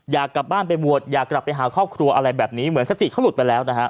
อยากกลับบ้านไปบวชอยากกลับไปหาครอบครัวอะไรแบบนี้เหมือนสติเขาหลุดไปแล้วนะฮะ